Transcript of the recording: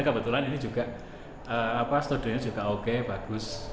kebetulan ini juga studio ini juga oke bagus